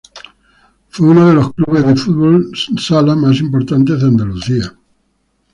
Fue uno de los clubes de fútbol sala más importantes de Andalucía.